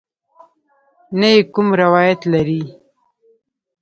نه یې کوم روایت لرې.